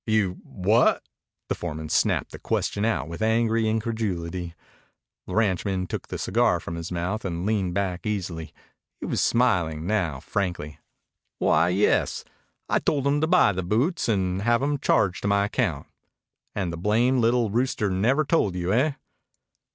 "You what?" The foreman snapped the question out with angry incredulity. The ranchman took the cigar from his mouth and leaned back easily. He was smiling now frankly. "Why, yes. I told him to buy the boots and have 'em charged to my account. And the blamed little rooster never told you, eh?"